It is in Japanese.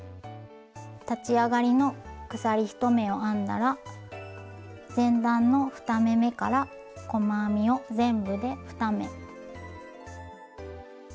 立ち上がりの鎖１目を編んだら前段の２目めから細編みを全部で２目。